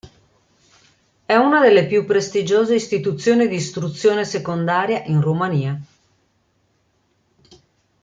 È una delle più prestigiose istituzioni di istruzione secondaria in Romania.